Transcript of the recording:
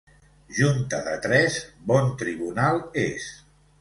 Junta de tres, bon tribunal és.